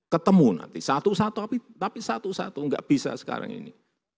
ketemu nanti satu satu tapi satu satu nggak bisa sekarang ini